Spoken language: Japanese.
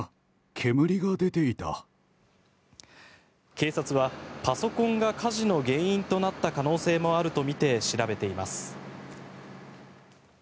警察はパソコンが火事の原因となった可能性もあるとみて調べています。